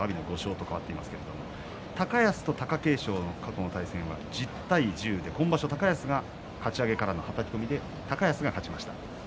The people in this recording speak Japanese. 高安と貴景勝の過去の対戦は１０対１０で今場所高安がかち上げからのはたき込みで高安が勝ちました。